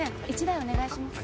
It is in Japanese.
１台お願いします。